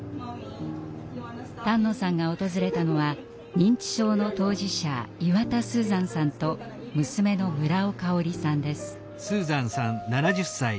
丹野さんが訪れたのは認知症の当事者岩田スーザンさんと娘の村尾香織さんです。